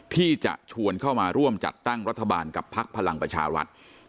ที่จะชวนเข้ามาร่วมจัดตั้งรัฐบาลกับพักพลังประชารัฐ